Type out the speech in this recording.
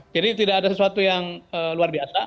jadi tidak ada sesuatu yang luar biasa